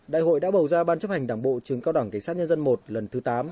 đại hội đã bầu ra ban chấp hành đảng bộ trường cao đẳng cảnh sát nhân dân i lần thứ tám